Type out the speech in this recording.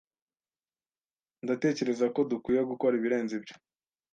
Ndatekereza ko dukwiye gukora ibirenze ibyo.